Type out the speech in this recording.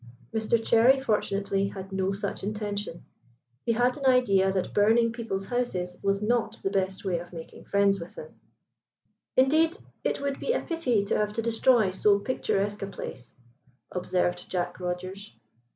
Mr Cherry fortunately had no such intention. He had an idea that burning people's houses was not the best way of making friends of them. "Indeed, it would be a pity to have to destroy so picturesque a place," observed Jack Rogers.